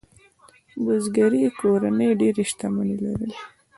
بزګري کورنۍ ډېرې شتمنۍ لرلې.